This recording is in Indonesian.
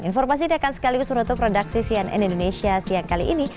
informasi ini akan sekaligus menutup redaksi cnn indonesia siang kali ini